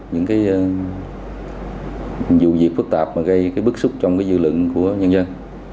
những điểm nóng những vụ việc phức tạp gây bức xúc trong dư lượng của nhân dân